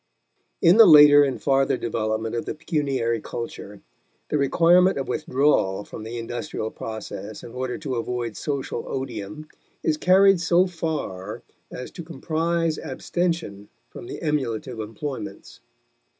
In the later and farther development of the pecuniary culture, the requirement of withdrawal from the industrial process in order to avoid social odium is carried so far as to comprise abstention from the emulative employments.